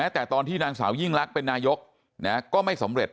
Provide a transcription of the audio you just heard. แต่ตอนที่นางสาวยิ่งลักษณ์เป็นนายกก็ไม่สำเร็จ